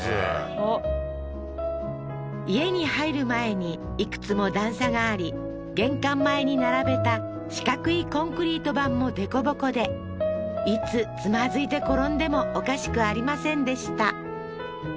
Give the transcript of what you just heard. おっ家に入る前にいくつも段差があり玄関前に並べた四角いコンクリート板も凸凹でいつつまずいて転んでもおかしくありませんでした